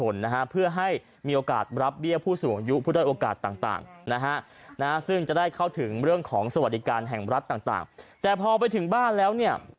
นะฮะซึ่งจะได้เข้าถึงเรื่องของสวัสดิการแห่งรัฐต่างแต่พอไปถึงบ้านแล้วเนี่ย